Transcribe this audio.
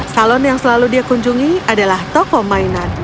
salon yang selalu dia kunjungi adalah toko mainan